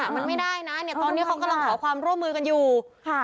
มันไม่ได้นะเนี่ยตอนนี้เขากำลังขอความร่วมมือกันอยู่ค่ะ